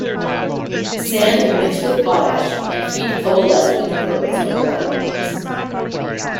Sand mixed with potash and heat coalesced into pearls of water glass.